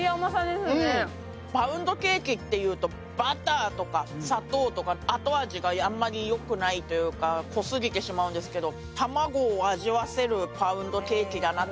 パウンドケーキっていうとバターとか砂糖とか後味があんまりよくないというか濃過ぎてしまうんですけど。